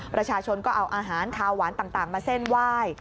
ประชาชนก็เอาอาหารขาวหวานต่างมาเส้นไหว้